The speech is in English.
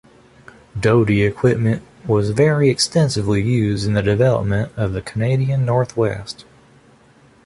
Doty equipment was very extensively used in the development of the Canadian North West.